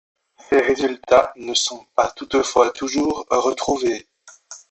Ces résultats ne sont pas toutefois toujours retrouvés.